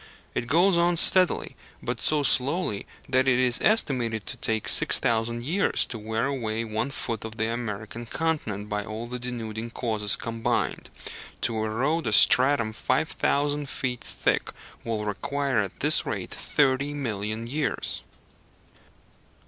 It goes on steadily, but so slowly that it is estimated to take 6000 years to wear away one foot of the American continent by all the denuding causes combined. To erode a stratum 5000 feet thick will require at this rate thirty million years.